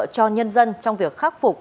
cho nhân dân trong việc khắc phục